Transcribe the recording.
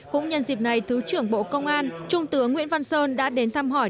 cũng nhân dịp này thứ trưởng bộ công an trung tướng nguyễn văn sơn đã đến thăm hỏi